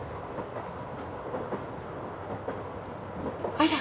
あら。